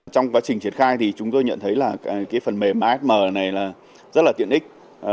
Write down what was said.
trong quá trình triển khai thì chúng tôi nhận thấy là cái phần mềm asm này là rất là tiện ích